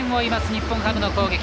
日本ハムの攻撃。